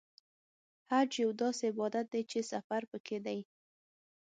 حج یو داسې عبادت دی چې سفر پکې دی.